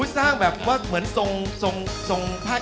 สร้างแบบว่าเหมือนทรงผ้าอีสาน